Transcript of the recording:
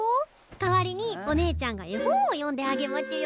代わりにお姉ちゃんが絵本を読んであげまちゅよ。